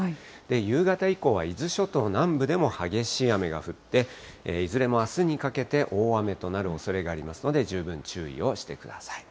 夕方以降は伊豆諸島南部でも激しい雨が降って、いずれもあすにかけて大雨となるおそれがありますので、十分注意をしてください。